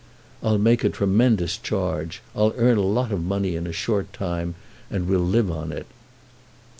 "I'll make a tremendous charge; I'll earn a lot of money in a short time, and we'll live on it."